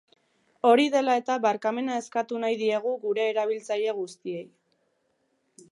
Hori dela eta, barkamena eskatu nahi diegu gure erabiltzaile guztiei.